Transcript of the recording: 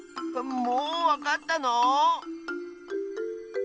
もうわかったの？